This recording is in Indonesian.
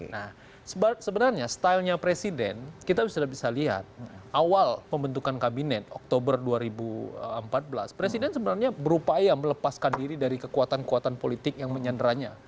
nah sebenarnya stylenya presiden kita sudah bisa lihat awal pembentukan kabinet oktober dua ribu empat belas presiden sebenarnya berupaya melepaskan diri dari kekuatan kekuatan politik yang menyanderanya